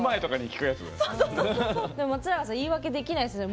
でも、松永さん言い訳できないですね。